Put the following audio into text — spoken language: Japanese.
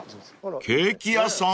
［ケーキ屋さん？］